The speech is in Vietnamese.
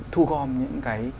thu gom những cái